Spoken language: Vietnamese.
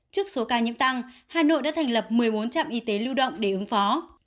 trước số ca nhiễm tăng hà nội đã thành lập một mươi bốn trạm y tế lưu động để ứng phó